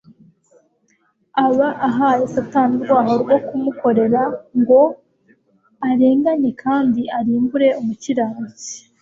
Aba ahaye Satani urwaho rwo kumukorera ngo arenganye kandi arimbure umukiranutsi.